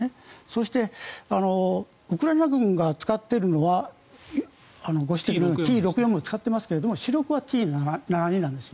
そして、ウクライナ軍が使っているのはご指摘のようにＴ６４を使っていますが主力はＴ７２なんです。